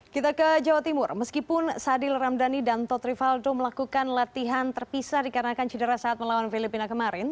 kita ke jawa timur meskipun sadil ramdhani dan tod rivaldo melakukan latihan terpisah dikarenakan cedera saat melawan filipina kemarin